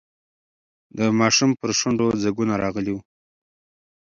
د ماشوم پر شونډو ځگونه راغلي وو.